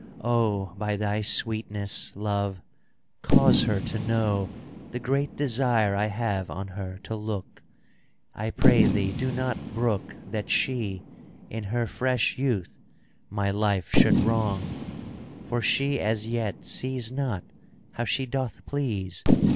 Oh ! by thy sweetness. Love, cause her to know The great desire I have on her to look ;" I pray thee do not brook That she, in her fresh youth, my life should wrong ; For she as yet sees not how she doth please.